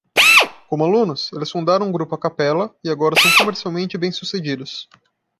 Como alunos?, eles fundaram um grupo a capella e agora são comercialmente bem-sucedidos.